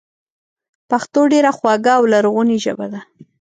پښتو ډېره خواږه او لرغونې ژبه ده